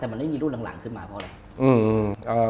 แต่มันไม่มีรุ่นหลังขึ้นมาเพราะอะไร